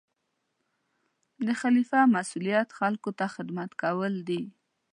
د خلیفه مسؤلیت خلکو ته خدمت کول دي.